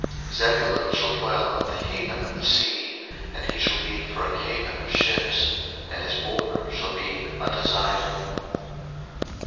01:049:013 Zebulun shall dwell at the haven of the sea; and he shall be for an haven of ships; and his border shall be unto Zidon.